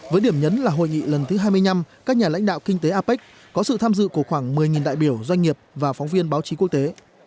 với điểm nhấn là hội nghị lần thứ hai mươi năm các nhà lãnh đạo kinh tế apec có sự tham dự của khoảng một mươi đại biểu doanh nghiệp và phóng viên báo chí quốc tế